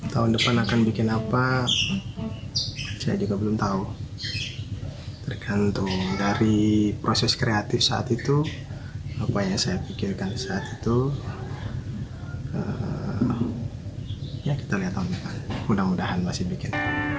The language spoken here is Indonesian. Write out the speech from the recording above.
tahun depan akan bikin apa saya juga belum tahu tergantung dari proses kreatif saat itu apa yang saya pikirkan saat itu ya kita lihat tahun depan mudah mudahan masih bikin